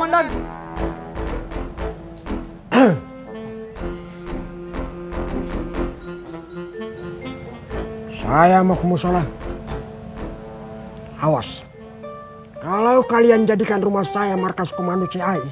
di gigitnya mu